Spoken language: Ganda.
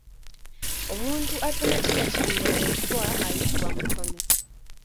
Omuntu atamatira kimuweereddwa ayitibwa mutomi.